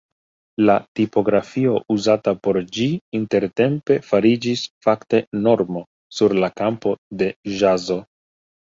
La tipografio uzata por ĝi intertempe fariĝis fakte normo sur la kampo de ĵazo.